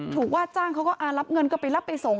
ว่าจ้างเขาก็รับเงินก็ไปรับไปส่ง